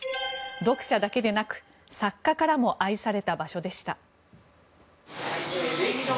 読者だけでなく作家からも愛された場所でした。